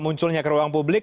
munculnya ke ruang publik